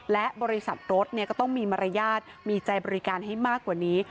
และบริษัทรถก็ต้องมีมารยาทมีใจบริการให้มากกว่านี้